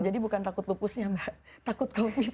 jadi bukan takut lupusnya mbak takut covidnya